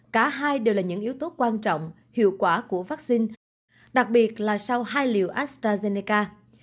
cả hai đều là những yếu tố quan trọng hiệu quả của vaccine đặc biệt là sau hai liều astrazeneca